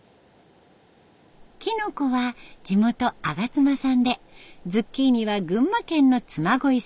キノコは地元吾妻産でズッキーニは群馬県の嬬恋産。